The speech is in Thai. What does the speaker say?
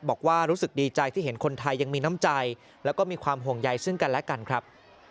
บอกว่ารู้สึกดีใจที่เห็นคนไทยยังมีน้ำใจแล้วก็มีความห่วงใยซึ่งกันและกันครับ